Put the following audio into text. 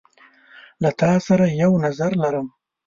زه له تا سره یو نظر لرم.